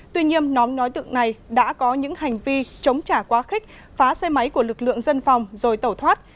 tuy nhiên nhóm nói tượng này đã có những hành vi chống trả quá khích phá xe máy của lực lượng dân phòng rồi tẩu thoát